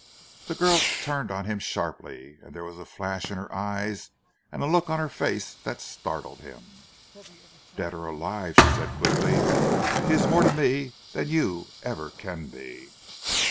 The girl turned to him sharply, and there was a flash in her eyes and a look on her face that startled him. "Dead or alive," she said quickly, "he is more to me than you ever can be!"